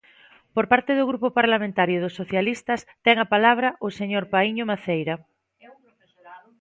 Por parte do Grupo Parlamentario dos Socialistas, ten a palabra o señor Paíño Maceira.